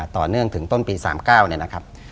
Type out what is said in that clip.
ต่อเนื่องถึงต้นปี๓๙เนี่ยนะครับ